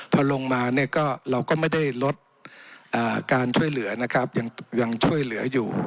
พอลงมาเนี่ยก็เราก็ไม่ได้ลดการช่วยเหลือนะครับยังช่วยเหลืออยู่